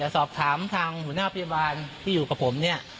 สอบถามทางหัวหน้าพยาบาลที่อยู่กับผมเนี่ย